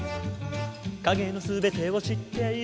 「影の全てを知っている」